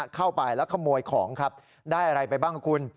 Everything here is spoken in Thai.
เข้าไปแล้วขโมยของครับได้อะไรไปบ้างคุณ